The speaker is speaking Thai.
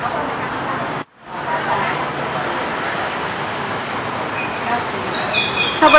มีมากเลย